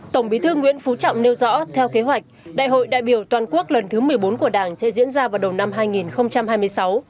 tổng bí thư nguyễn phú trọng nêu rõ theo kế hoạch đại hội đại biểu toàn quốc lần thứ một mươi bốn của đảng sẽ diễn ra vào đầu năm hai nghìn hai mươi sáu